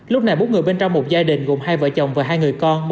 lúc này bốn người bên trong một gia đình gồm hai vợ chồng và hai người con